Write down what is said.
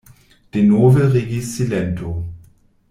Denove regis silento.